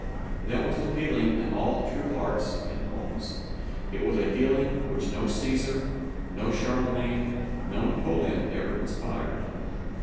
That was the feeling in all true hearts and homes. It was a feeling which no Cæsar, no Charlemagne, no Napoleon ever inspired.